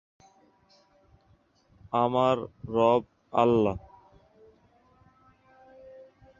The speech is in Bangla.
গানটি লিখেছেন আহমেদ রিজভী এবং সুর ও সংগীতায়োজন করেছেন কিশোর দাস।